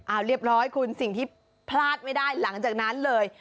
เอาเรียบร้อยคุณสิ่งที่พลาดไม่ได้หลังจากนั้นเลย